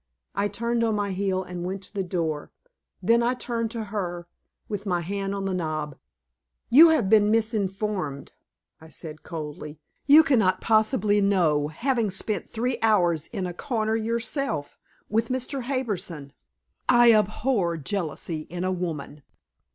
I turned on my heel and went to the door; then I turned to her, with my hand on the knob. "You have been misinformed," I said coldly. "You can not possibly know, having spent three hours in a corner yourself with Mr. Harbison." I abhor jealousy in a woman.